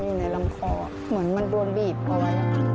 อยู่ในลำคอเหมือนมันโดนบีบเอาไว้